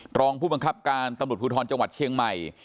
รองผู้บังคับการตำรวจภูทรจังหวัดเชียงใหม่